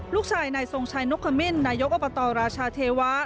ลูกชายนายทรงชัยนกขมิ้นนายกอบตราชาเทวะ